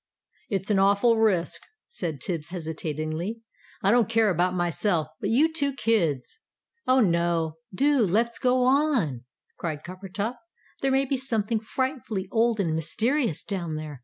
"It's an awful risk," said Tibbs, hesitatingly; "I don't care about myself but you two kids!" "Oh, no! Do let's go on!" cried Coppertop. "There may be something frightfully old and mysterious down there.